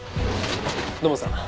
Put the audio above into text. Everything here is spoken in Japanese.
土門さん